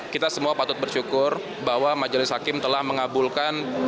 kita semua patut bersyukur bahwa majelis hakim telah mengabulkan